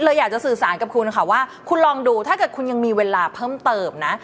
อยากจะสื่อสารกับคุณค่ะว่าคุณลองดูถ้าเกิดคุณยังมีเวลาเพิ่มเติมนะ